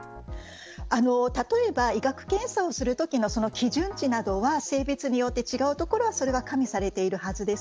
例えば医学検査をするときの基準値などは性別によって違うところは加味されているはずです。